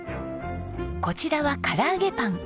こちらは唐揚げパン。